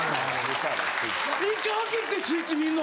１回開けてスイッチ見んの。